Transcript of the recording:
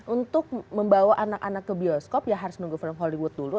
untuk membawa anak anak ke bioskop ya harus nunggu film hollywood dulu